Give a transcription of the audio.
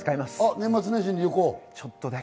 年末年始に旅行。